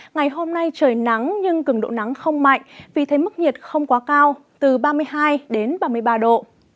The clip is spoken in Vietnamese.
ngày hôm nay trời nắng nhưng cường độ nắng không mạnh vì thế mức nhiệt không quá cao từ ba mươi hai đến ba mươi ba độ